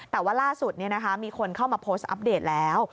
แต่ว่าล่าสุดมีคนเข้ามาโพสต์อัปเดตแล้ว